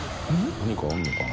何かあるのかな？